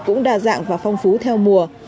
cũng đa dạng và phong phú theo mùa